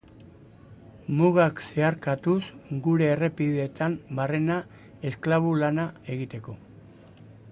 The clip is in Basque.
Mugak zeharkatuz gure errepideetan barrena esklabo lana egiteko.